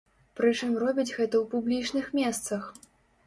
Прычым робяць гэта ў публічных месцах.